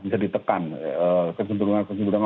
bisa ditekan kecenderungan